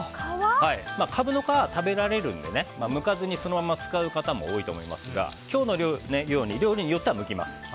カブの皮は食べられるのでむかずにそのまま使う方も多いと思いますが今日のように料理によってはむきます。